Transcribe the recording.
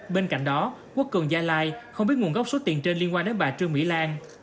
bên cạnh đó quốc cường gia lai không biết nguồn gốc số tiền trên liên quan đến bà trương mỹ lan